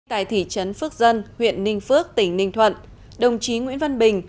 tại thị trấn phước dân huyện ninh phước tỉnh ninh thuận đồng chí nguyễn văn bình